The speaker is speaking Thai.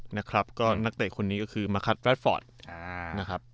นะครับก็นักเตะคนนี้ก็คือมาคัดแรดฟอร์ดนะครับ